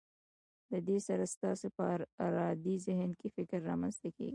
له دې سره ستاسو په ارادي ذهن کې فکر رامنځته کیږي.